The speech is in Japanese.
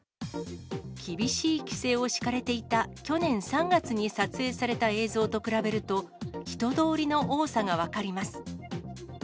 厳しい規制を敷かれていた去年３月に撮影された映像と比べると、人通りの多さが分かります。